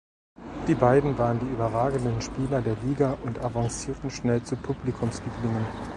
Die beiden waren die überragenden Spieler der Liga und avancierten schnell zu Publikumslieblingen.